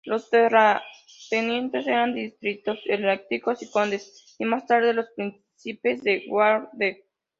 Los terratenientes eran distritos eclesiásticos y condes y más tarde los príncipes de Waldeck.